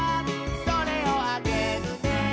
「それをあげるね」